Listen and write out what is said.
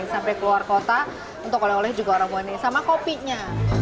sampai keluar kota untuk oleh oleh juga orang banyak sama kopinya